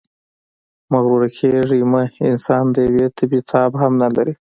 مغروره کېږئ مه، انسان د یوې تبې تاب هم نلري.